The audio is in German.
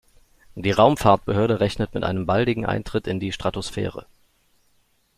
Die Raumfahrtbehörde rechnet mit einem baldigen Eintritt in die Stratosphäre.